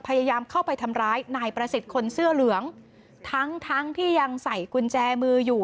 พยายามเข้าไปทำร้ายนายประสิทธิ์คนเสื้อเหลืองทั้งทั้งที่ยังใส่กุญแจมืออยู่